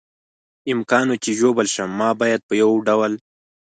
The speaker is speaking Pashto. امکان و، چې ژوبل شم، ما باید په یو ډول.